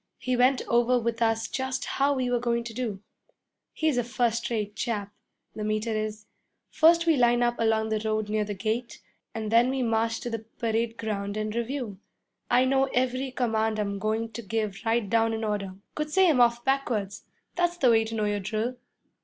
He went over with us just how we were goin' to do. He's a first rate chap the Meter is. First we line up along the road near the gate, and then we march to the parade ground and review. I know every command I'm goin' to give right down in order could say 'em off backwards. That's the way to know your drill.'